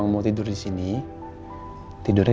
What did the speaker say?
om baik cuman berharap